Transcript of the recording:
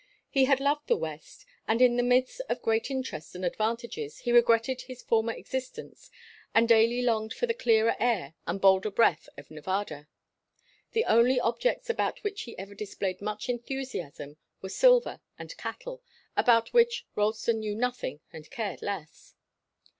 He had loved the West, and in the midst of great interests and advantages, he regretted his former existence and daily longed for the clearer air and bolder breath of Nevada. The only objects about which he ever displayed much enthusiasm were silver and cattle, about which Ralston knew nothing and cared less.